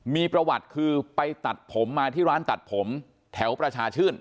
มีประวัติคือไปตัดผมมาที่ร้านตัดผมแถวประชาชื่น